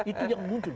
itu yang muncul